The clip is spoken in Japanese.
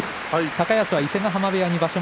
高安は伊勢ヶ濱部屋に場所